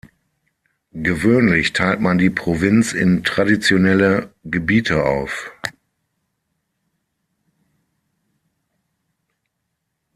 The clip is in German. Gewöhnlich teilt man die Provinz in traditionelle Gebiete auf.